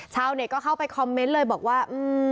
ชาวเน็ตก็เข้าไปคอมเมนต์เลยบอกว่า